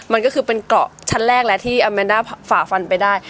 มันก็คือเป็นเกราะชั้นแรกแล้วที่อาแมนด้าฝ่าฟันไปได้